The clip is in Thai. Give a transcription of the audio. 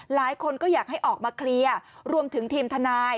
หลายคนก็อยากให้ออกมาเคลียร์รวมถึงทีมทนาย